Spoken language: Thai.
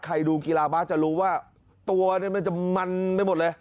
ใครดูกีฬาบาสจะรู้ว่าตัวนั้นมันจะมันไปหมดเลย